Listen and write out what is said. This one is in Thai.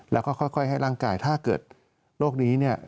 แล้วก็ค่อยให้ร่างกายถ้าเกิดโรคนี้เนี่ย